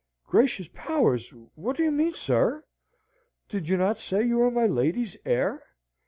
"Gracious powers! what do you mean, sir? Did you not say you were my lady's heir?